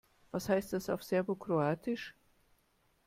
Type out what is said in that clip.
Was heißt das auf Serbokroatisch?